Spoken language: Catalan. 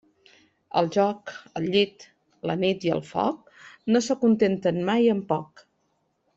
El joc, el llit, la nit i el foc no s'acontenten mai amb poc.